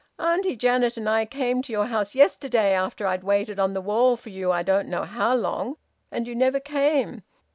Auntie Janet and I came to your house yesterday, after I'd waited on the wall for you I don't know how long, and you never came.